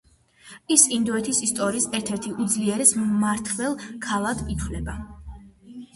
ის ინდოეთის ისტორიის ერთ-ერთ უძლიერეს მმართველ ქალად ითვლება.